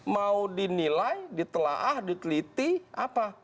mau dinilai ditelaah diteliti apa